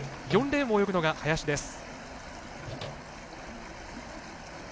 ４レーンを泳ぐのが林です。